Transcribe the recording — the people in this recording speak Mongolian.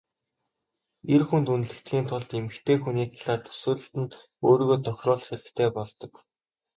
Эр хүнд үнэлэгдэхийн тулд эмэгтэй хүний талаарх төсөөлөлд нь өөрийгөө тохируулах хэрэгтэй болдог.